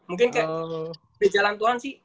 mungkin kayak di jalan tuhan sih